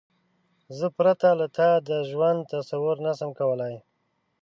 زه پرته له تا د ژوند تصور نشم کولای.